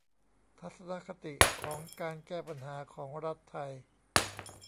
ทัศนคติของการแก้ปัญหาของรัฐไทย